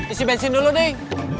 isi bensin dulu nih